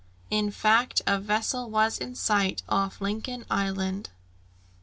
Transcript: And in fact a vessel was in sight, off Lincoln Island!